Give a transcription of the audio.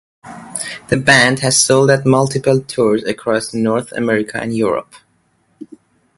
The band has sold out multiple tours across North America and Europe.